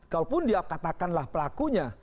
kalaupun dia katakanlah pelakunya